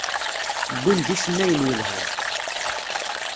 Wwin-d icennayen yelhan.